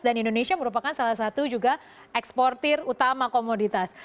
dan indonesia merupakan salah satu juga eksportir utama komoditas